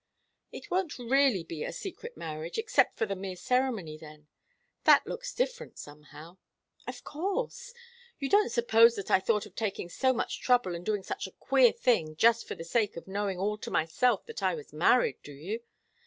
"It won't really be a secret marriage, except for the mere ceremony, then. That looks different, somehow." "Of course. You don't suppose that I thought of taking so much trouble and doing such a queer thing just for the sake of knowing all to myself that I was married, do you?